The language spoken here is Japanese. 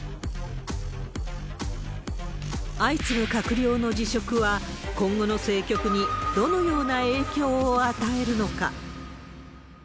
相次ぐ閣僚の辞職は、今後の政局にどのような影響を与えるのか。